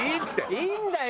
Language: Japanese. いいんだよ！